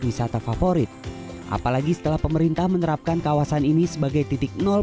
wisata favorit apalagi setelah pemerintah menerapkan kawasan ini sebagai titik nol